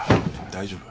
大丈夫。